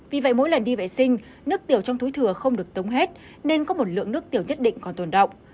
vì vậy mỗi lần đi vệ sinh nước tiểu trong túi thừa không được tống hết nên có một lượng nước tiểu nhất định còn tồn động